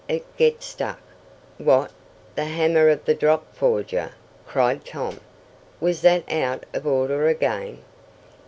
It get stuck!" "What, the hammer of the drop forger?" cried Tom. "Was that out of order again?"